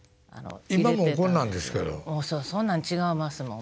そうそんなん違いますもん。